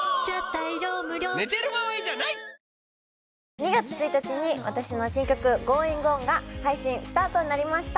２月１日に私の新曲「ｇｏｉｎｇｏｎ」が配信スタートになりました